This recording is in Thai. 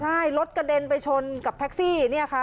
ใช่รถกระเด็นไปชนกับแท็กซี่